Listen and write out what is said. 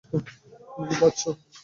তুমি কি পাচ্ছো?